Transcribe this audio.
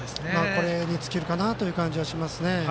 これに尽きるかなという感じはしますね。